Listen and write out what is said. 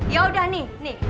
yaudah nih nih